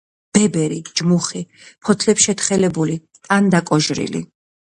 ბებერი, ჯმუხი, ფოთლებშეთხელებული, ტანდაკოჟრილი.